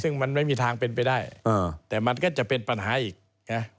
ซึ่งมันไม่มีทางเป็นไปได้แต่มันก็จะเป็นปัญหาอีกนะ